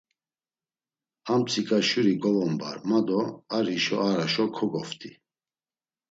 Amtsika şuri govombar, ma do ar hişo ar haşo kogoft̆i.